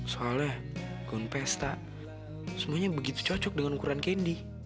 soalnya gaun pesta semuanya begitu cocok dengan ukuran candy